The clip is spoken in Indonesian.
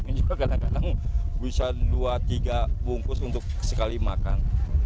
ini juga kadang kadang bisa dua tiga bungkus untuk sekali makan